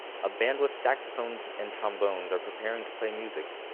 A band with saxophones and trombones are preparing to play music